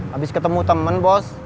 habis ketemu temen bos